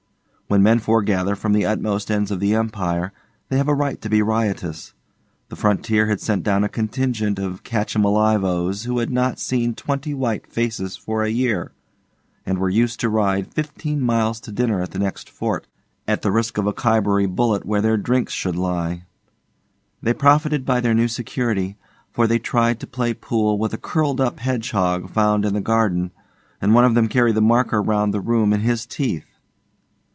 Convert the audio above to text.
When men foregather from the uttermost ends of the Empire, they have a right to be riotous. The Frontier had sent down a contingent o' Catch 'em Alive O's who had not seen twenty white faces for a year, and were used to ride fifteen miles to dinner at the next Fort at the risk of a Khyberee bullet where their drinks should lie. They profited by their new security, for they tried to play pool with a curled up hedgehog found in the garden, and one of them carried the marker round the room in his teeth.